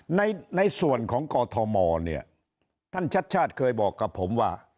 ครับในส่วนของกธมเนี่ยท่านชัดเคยบอกกับผมว่า